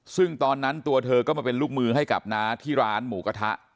ซึ่งตอนนั้นตัวเธอก็มาเป็นลูกมือให้กับน้าที่ร้านหมูกระทะ